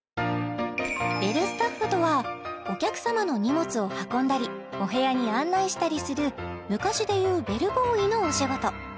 ベルスタッフとはお客様の荷物を運んだりお部屋に案内したりする昔で言うベルボーイのお仕事